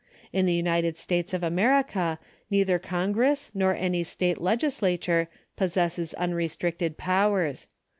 In the United States of America neither Congress nor any State Legislature possesses unrestricted powers.